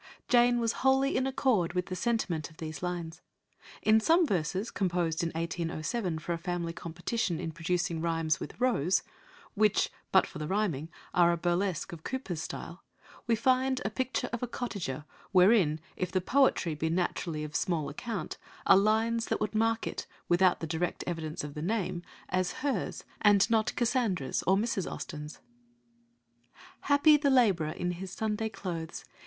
Jane was wholly in accord with the sentiment of these lines. In some verses composed in 1807 for a family competition in producing rhymes with "rose" which, but for the rhyming, are a burlesque of Cowper's style, we find a picture of a cottager, wherein, if the "poetry" be naturally of small account, are lines that would mark it, without the direct evidence of the name, as hers, and not Cassandra's or Mrs. Austen's. "Happy the lab'rer in his Sunday clothes!